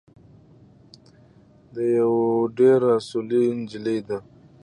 ډیوه ډېره اصولي نجلی ده